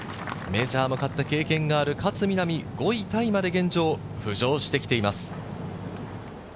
メジャーも勝った経験がある勝みなみ、５位タイまで現状浮上してきています。